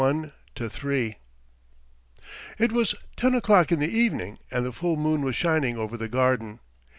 BETROTHED I IT was ten o'clock in the evening and the full moon was shining over the garden.